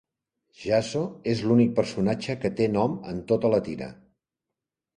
Jasso és l'únic personatge que té nom en tota la tira.